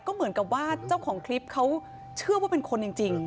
ก็เหมือนกับว่าเจ้าของคลิปเขาเชื่อว่าเป็นคนจริง